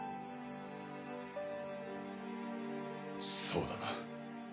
そうだな。